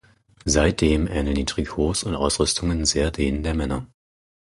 Seitdem ähneln die Trikots und Ausrüstungen sehr denen der Männer.